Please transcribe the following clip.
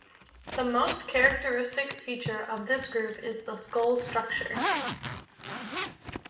The most characteristic feature of this group is the skull structure.